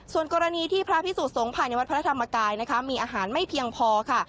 ส่วนกรณีที่พระพิสุสงฆ์ภายในวัดพระธรรมกายนะคะมีอาหารไม่เพียงพอค่ะ